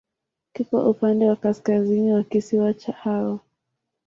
Kiko upande wa kaskazini wa kisiwa cha Hao.